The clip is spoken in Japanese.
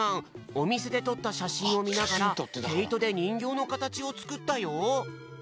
おみせでとったしゃしんをみながらけいとでにんぎょうのかたちをつくったよ。